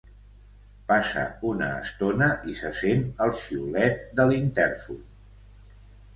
Passa una estona i se sent el xiulet de l'intèrfon.